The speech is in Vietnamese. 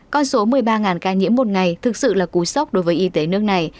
con số một mươi ba ca nhiễm một ngày thực sự là cú sốc đối với y tế nước này